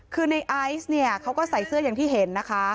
คือในอายส์เขาก็ใส่เสื้ออย่างที่เห็น